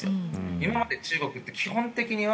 今まで中国って基本的には